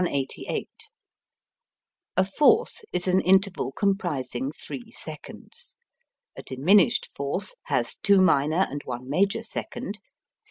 A fourth is an interval comprising three seconds. A diminished fourth has two minor and one major second.